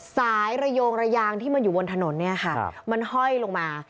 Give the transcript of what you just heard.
ระโยงระยางที่มันอยู่บนถนนเนี่ยค่ะมันห้อยลงมา